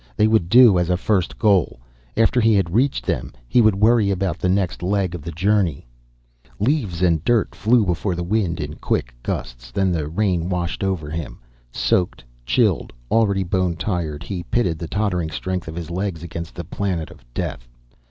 They would do as a first goal. After he had reached them, he would worry about the next leg of the journey. Leaves and dirt flew before the wind in quick gusts, then the rain washed over him. Soaked, chilled, already bone tired, he pitted the tottering strength of his legs against the planet of death.